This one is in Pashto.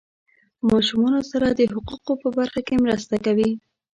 ماشومانو سره د حقوقو په برخه کې مرسته کوي.